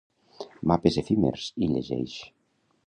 "Mapes Efímers", hi llegeix.